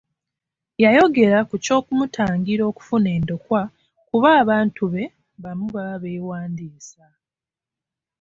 Yayogera ku ky'okumutangira okufuna endokwa kuba abantu be bamu baba beewandiisa